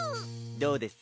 どうです？